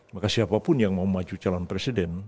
maka siapapun yang mau maju calon presiden